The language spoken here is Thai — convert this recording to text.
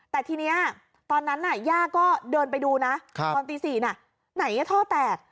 แต่ทีนี้ตอนนั้นย่าก็เดินไปดูนะตอนตี๔น่ะไหนท่อแตก